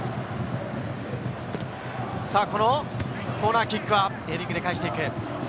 このコーナーキックはヘディングで返して行く。